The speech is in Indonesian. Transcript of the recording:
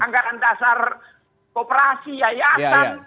anggaran dasar kooperasi yayasan